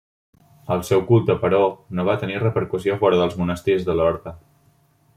El seu culte, però, no va tenir repercussió fora dels monestirs de l'orde.